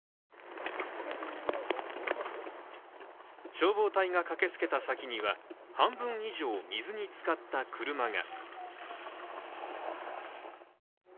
消防隊が駆けつけた先には半分以上水につかった車が。